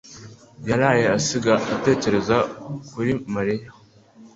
yaraye asigaye atekereza kuri Mariya